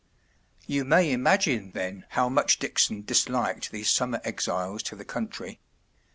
You may imagine, then, how much Dickson disliked these summer exiles to the country.